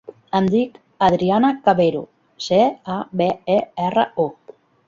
Em dic Adriana Cabero: ce, a, be, e, erra, o.